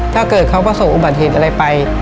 ถ้าเกิดเขาประสบอุบัติเหตุอะไรไป